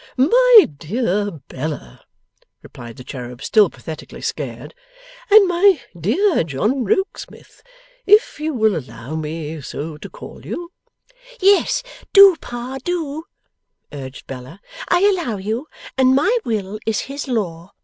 'My dear Bella,' replied the cherub, still pathetically scared, 'and my dear John Rokesmith, if you will allow me so to call you ' 'Yes do, Pa, do!' urged Bella. 'I allow you, and my will is his law.